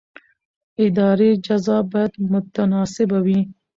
اداري جزا باید متناسبه وي.